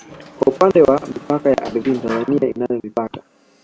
Kwa upande wa mipaka ya ardhini Tanzania inayo mipaka